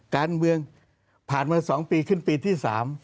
การเมืองผ่านมา๒ปีขึ้นปีที่๓